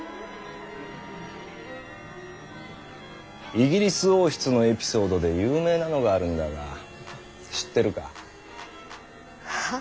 イギリス王室のエピソードで有名なのがあるんだが知ってるか？は？